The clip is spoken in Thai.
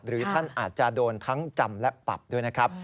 ท่านอาจจะโดนทั้งจำและปรับด้วยนะครับ